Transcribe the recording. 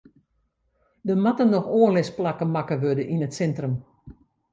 Der moatte noch oanlisplakken makke wurde yn it sintrum.